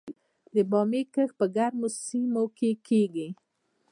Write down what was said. د بامیې کښت په ګرمو سیمو کې کیږي؟